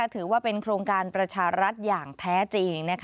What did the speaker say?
ถือว่าเป็นโครงการประชารัฐอย่างแท้จริง